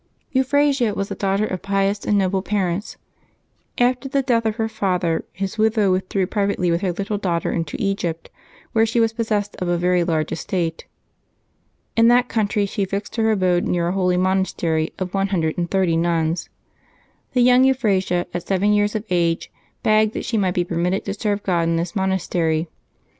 ^UPHRASIA was the daughter of pious and noble parents. \Sa After the death of her father his widow withdrew privately with her little daughter into Egypt, where she was possessed of a very large estate. In that country she fixed her abode near a holy monaster}^ of one hundred and thirty nuns. The young Euphrasia, at seven 5'ears of age, begged that she might be permitted to serve God in this monastery.